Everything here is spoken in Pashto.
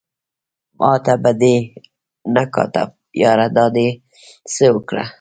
ماته به دې نه کاته ياره دا دې څه اوکړه